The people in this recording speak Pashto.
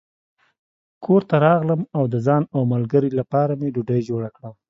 کور ته راغلم او د ځان او ملګري لپاره مې ډوډۍ جوړه کړه.